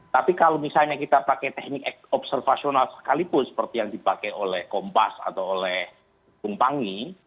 tapi kalau misalnya kita pakai teknik observasional sekalipun seperti yang dipakai oleh kompas atau oleh bung panggi